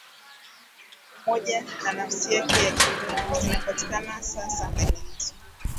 umoja na nafsi yake ya Kimungu zinapatikana sasa hali hizo